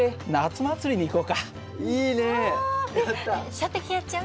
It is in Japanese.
射的やっちゃう？